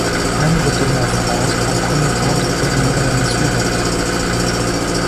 Anne retourne en France en promettant de revenir l'année suivante.